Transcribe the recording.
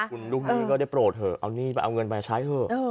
คุณลูกหนี้ก็ได้โปรดเถอะเอาเงินไปใช้เถอะ